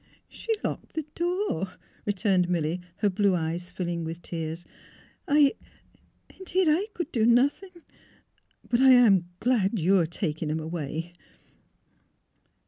'' She locked the door," returned Milly, her blue eyes filling with tears. '' I — indeed, I could do nothing. But I am glad you are taking him away."